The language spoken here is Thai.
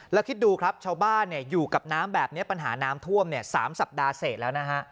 แล้วคิดดูครับชาวบ้านอยู่กับน้ำแบบนี้ปัญหาน้ำท่วม๓สัปดาห์เสร็จแล้วนะฮะ